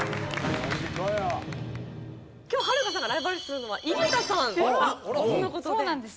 今日はるかさんがライバル視するのは井桁さんとの事で。